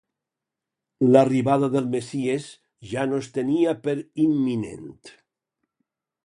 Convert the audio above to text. L'arribada del messies ja no es tenia per imminent.